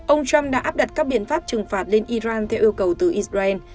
ông trump đã áp đặt các biện pháp trừng phạt lên iran theo yêu cầu từ israel